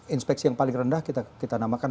inspeksi yang paling rendah kita namakan